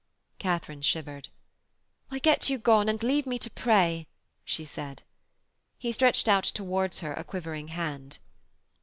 Katharine shivered. 'Why, get you gone, and leave me to pray,' she said. He stretched out towards her a quivering hand.